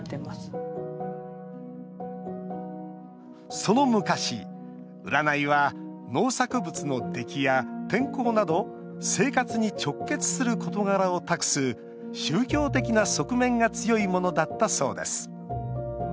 その昔、占いは農作物の出来や天候など生活に直結する事柄を託す宗教的な側面が強いものだったそうです。